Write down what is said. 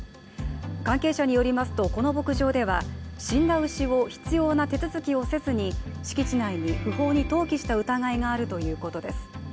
関係者によりますと、この牧場では死んだ牛を必要な手続きをせずに敷地内に不法に投棄した疑いがあるということです。